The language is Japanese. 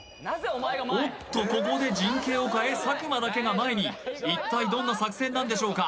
おっとここで陣形を変え佐久間だけが前に一体どんな作戦なんでしょうか？